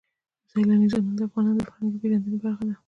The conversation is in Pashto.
سیلانی ځایونه د افغانانو د فرهنګي پیژندنې برخه ده.